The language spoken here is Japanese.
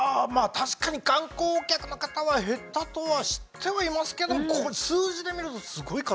確かに観光客の方は減ったとは知ってはいますけど数字で見るとすごい数ですね。